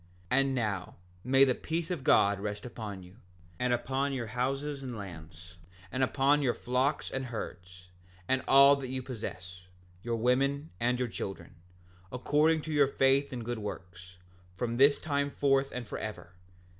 7:27 And now, may the peace of God rest upon you, and upon your houses and lands, and upon your flocks and herds, and all that you possess, your women and your children, according to your faith and good works, from this time forth and forever.